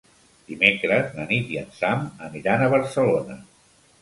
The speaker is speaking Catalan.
Dimecres na Nit i en Sam aniran a Barcelona.